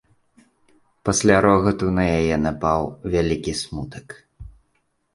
Пасля рогату на яе напаў вялікі смутак.